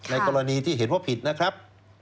กรณีที่เห็นว่าผิดนะครับ